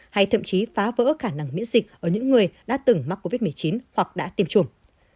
hay thậm chí phá vỡ khả năng miễn dịch ở những người đã từng mắc covid một mươi chín hoặc đã tiêm chủng